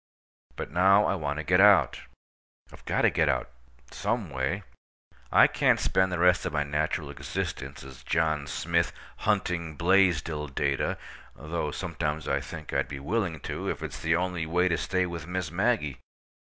But now I want to get out. I've got to get out—some way. I can't spend the rest of my natural existence as John Smith, hunting Blaisdell data—though sometimes I think I'd be willing to, if it's the only way to stay with Miss Maggie.